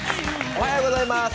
おはようございます。